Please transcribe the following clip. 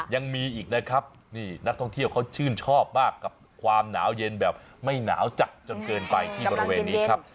ยังมีอีกนะครับนี่นักท่องเที่ยวเขาชื่นชอบมากกับความหนาวเย็นแบบไม่หนาวจัดจนเกินไปที่บริเวณนี้ครับ